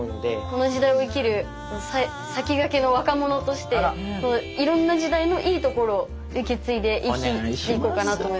この時代を生きる先駆けの若者としていろんな時代のいいところを受け継いでいこうかなと思いました。